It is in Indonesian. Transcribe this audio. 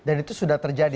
dan itu sudah terjadi